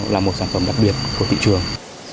là một sản phẩm đặc biệt của thị trường